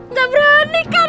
nggak berani kan lu